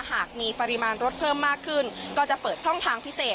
หากมีปริมาณรถเพิ่มมากขึ้นก็จะเปิดช่องทางพิเศษ